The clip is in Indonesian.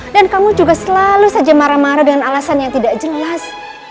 dan kamu juga selalu saja marah marah dengan alasan yang tidak jelas